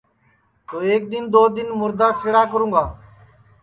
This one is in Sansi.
تو ایک دؔن دؔو دؔن مُردا سِڑا کرونگا